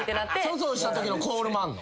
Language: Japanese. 粗相したときのコールもあんの？